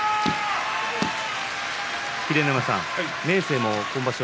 秀ノ山さん、明生も今場所